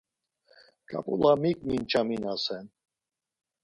Ǩapula mik minçaminasen